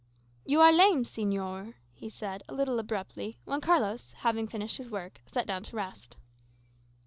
"You are lame, señor," he said, a little abruptly, when Carlos, having finished his work, sat down to rest.